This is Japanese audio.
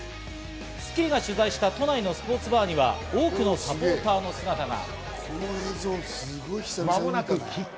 『スッキリ』が取材した都内のスポーツバーには多くのサポーターの姿が。